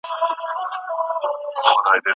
که مهرونه کم سي، نو کورنۍ شخړې نه رامنځته کیږي.